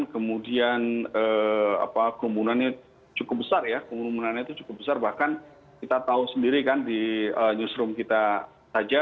kemudian kerumunannya cukup besar ya kerumunannya itu cukup besar bahkan kita tahu sendiri kan di newsroom kita saja